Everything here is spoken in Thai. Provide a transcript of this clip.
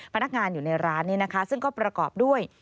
พนักงานอยู่ในร้านนี้นะคะซึ่งก็ประกอบด้วย